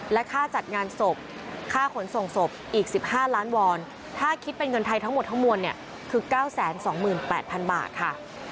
และค่าจัดงานศพค่าขนส่งศพอีก๑๕ล้านวอนถ้าคิดเป็นเงินไทยทั้งหมดทั้งมวลเนี่ยคือ๙๒๘๐๐๐บาทค่ะ